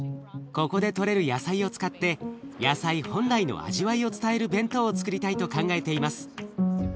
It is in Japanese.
ここでとれる野菜を使って野菜本来の味わいを伝える弁当をつくりたいと考えています。